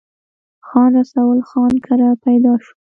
خان رسول خان کره پيدا شو ۔